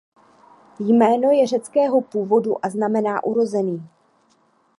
Jméno je řeckého původu a znamená "urozený".